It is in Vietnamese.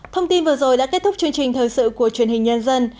thông tin vừa rồi đã kết thúc chương trình thời sự của truyền hình nhân dân